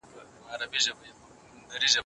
ځوانان د ځان وژنې خطر لري.